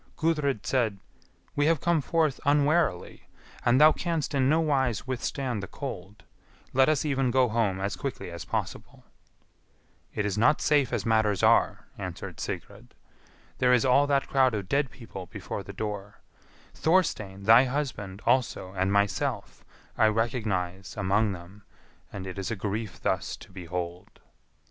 Gudrid said, "We have come forth unwarily, and thou canst in no wise withstand the cold; let us even go home as quickly as possible." "It is not safe as matters are," answered Sigrid. "There is all that crowd of dead people before the door; Thorstein, thy husband, also, and myself, I recognise among them, and it is a grief thus to behold."